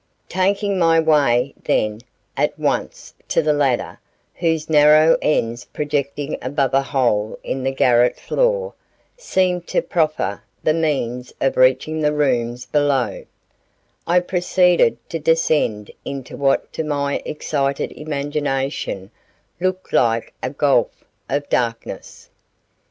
Taking my way, then, at once to the ladder, whose narrow ends projecting above a hole in the garret floor, seemed to proffer the means of reaching the rooms below, I proceeded to descend into what to my excited imagination looked like a gulf of darkness.